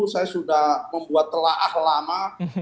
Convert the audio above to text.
saya sudah membuat telah lama